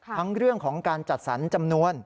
เรื่องของการจัดสรรจำนวน